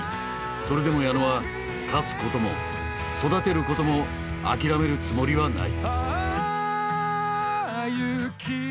それでも矢野は勝つことも育てることも諦めるつもりはない。